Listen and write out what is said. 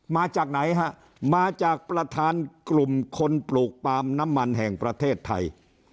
มาจากไหนฮะมาจากประธานกลุ่มคนปลูกปาล์มน้ำมันแห่งประเทศไทย